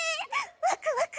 ワクワク！